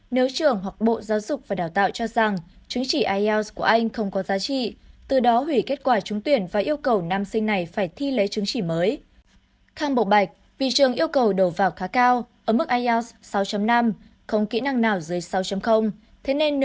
nếu trường hợp đó thực sự xảy ra sẽ rất bất công khi sai phạm hành chính